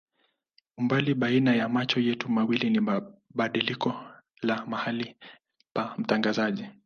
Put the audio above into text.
Umbali baina ya macho yetu mawili ni badiliko la mahali pa mtazamaji.